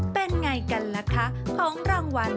เป็นไงกันล่ะคะของรางวัล